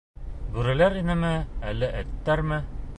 Бүреләр инеме, әллә эттәрме?